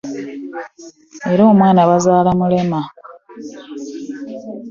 Era omwana bazaala mulema .